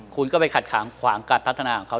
คุณก็ไปขัดขวางขวางการพัฒนาของเขา